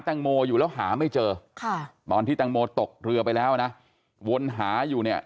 ตังโมอยู่แล้วหาไม่เจอตอนที่ตังโมตกเรือไปแล้วนะวนหาอยู่